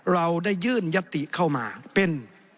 เราได้ยื่นยติเข้ามาเป็น